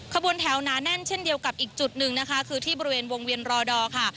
ขบวนแถวหนาแน่นเช่นเดียวกับอีกจุดหนึ่งนะคะคือที่บริเวณวงเวียนรอดอร์ค่ะ